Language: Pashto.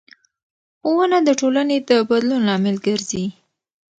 ښوونه د ټولنې د بدلون لامل ګرځي